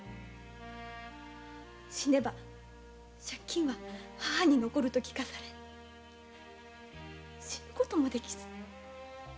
死ねば借金は母に残ると聞かされ死ぬ事もできず。